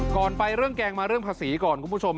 ก่อนไปเรื่องแกงมาเรื่องภาษีก่อน